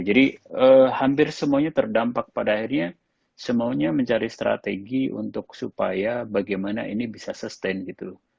jadi hampir semuanya terdampak pada akhirnya semuanya mencari strategi untuk supaya bagaimana ini bisa sustain gitu